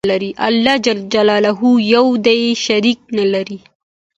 الله ج يو دى شريک نلري